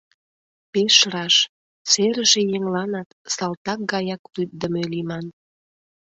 Пеш раш: серыше еҥланат салтак гаяк лӱддымӧ лийман.